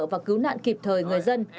và cứu nạn kịp thời người dân